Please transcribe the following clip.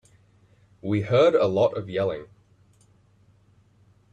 We heard a lot of yelling.